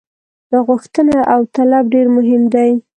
دا غوښتنه او طلب ډېر مهم دی.